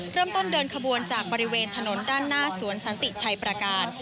เริ่มต้นเดินขบวนจากบริเวณถนนด้านหน้าสวนสันติชัยประการ